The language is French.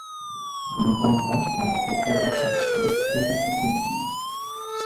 Le Danemark a un quota de cinq places qualificatives.